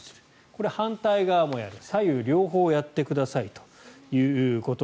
これ、反対側もやる左右両方やってくださいと。